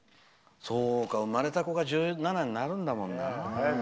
そうか、生まれた子が１７になるんだもんな。